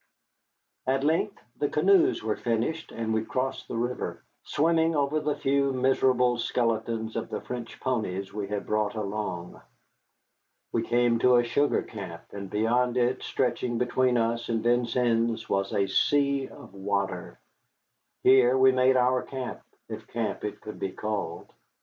At length the canoes were finished and we crossed the river, swimming over the few miserable skeletons of the French ponies we had brought along. We came to a sugar camp, and beyond it, stretching between us and Vincennes, was a sea of water. Here we made our camp, if camp it could be called.